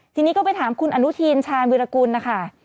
ทีนี้ก็ไปถามคุณอนุทีนชาญวิรากุลนะคะ